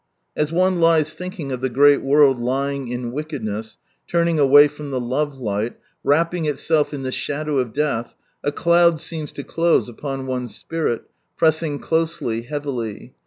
As one lies thinking of the great world lying in wickedness, turning away from the Love light, wrapping itself in the shadow of death, a cloud seems to close upon one's spirit, pressing closely, heavily.